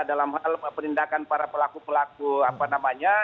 dalam hal penindakan para pelaku pelaku apa namanya